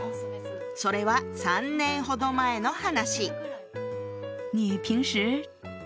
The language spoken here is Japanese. それは３年ほど前の話。